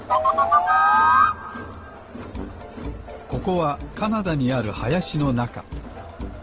ここはカナダにあるはやしのなか。